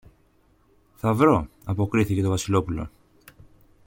Θα βρω, αποκρίθηκε το Βασιλόπουλο.